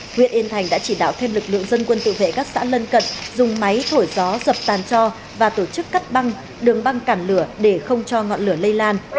huyện yên thành đã chỉ đạo thêm lực lượng dân quân tự vệ các xã lân cận dùng máy thổi gió dập tàn cho và tổ chức cắt băng đường băng cản lửa để không cho ngọn lửa lây lan